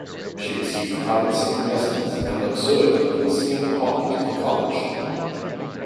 She received private singing lessons and observed in the singing department of the college.